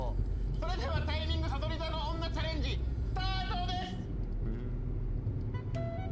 それではタイミングさそり座の女チャレンジスタートです！